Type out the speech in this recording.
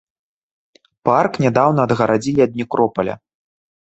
Парк нядаўна адгарадзілі ад некропаля.